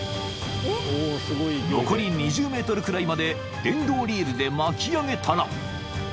［残り２０ｍくらいまで電動リールで巻き上げたら］